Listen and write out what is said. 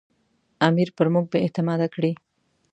امیر پر موږ بې اعتماده کړي.